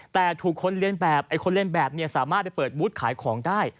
แต่ถูกคนเล่นแบบคนเล่นแบบสามารถไปเปิดบุ๊ชขายของได้